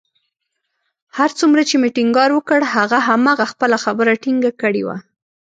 هر څومره چې مې ټينګار وکړ، هغه همهغه خپله خبره ټینګه کړې وه